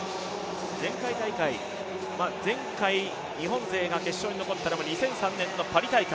前回大会、前回、日本勢が決勝に残ったのが２００３年のパリ大会。